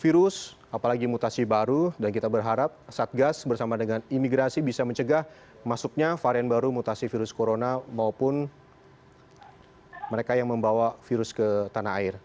virus apalagi mutasi baru dan kita berharap satgas bersama dengan imigrasi bisa mencegah masuknya varian baru mutasi virus corona maupun mereka yang membawa virus ke tanah air